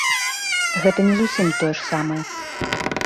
Гэта не зусім тое ж самае.